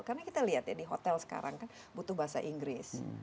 karena kita lihat ya di hotel sekarang kan butuh bahasa inggris